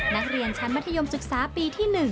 นักเรียนชั้นมัธยมศึกษาปีที่๑